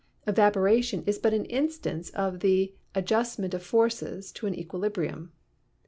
Evaporation is but an instance of the adjustment of forces to an equilibrium.